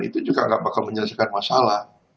itu juga nggak bakal menyelesaikan masalah